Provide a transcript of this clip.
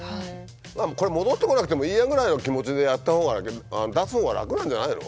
これ戻ってこなくてもいいやぐらいの気持ちでやったほうが出すほうは楽なんじゃないの？